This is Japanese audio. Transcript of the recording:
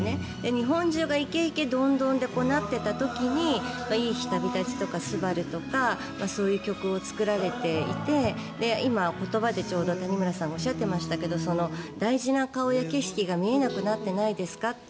日本中が行け行けドンドンでなってた時に「いい日旅立ち」とか「昴−すばるー」とかそういう曲を作られていて今、言葉でちょうど谷村さんがおっしゃっていましたが大事な顔や景色が見えなくなっていないですかって。